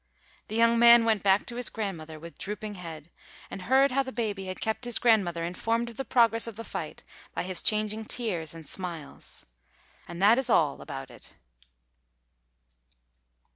The young man went back to his grandmother with drooping head, and heard how the baby had kept his grandmother informed of the progress of the fight by his changing tears and smiles. And that is all about it.